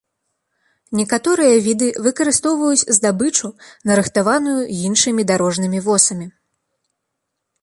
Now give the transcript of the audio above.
Некаторыя віды выкарыстоўваюць здабычу, нарыхтаваную іншымі дарожнымі восамі.